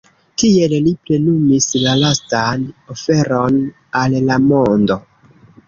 Tiel li plenumis la lastan oferon al la mondo.